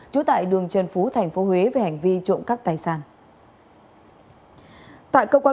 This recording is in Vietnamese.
chủ tại đường trần phú thành phố huế